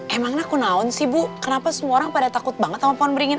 emang aku naun sih bu kenapa semua orang pada takut banget sama pohon beringin